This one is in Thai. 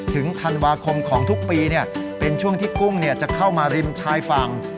ถึงธันวาคมของทุกปีเป็นช่วงที่กุ้งจะเข้ามาริมชายฝั่ง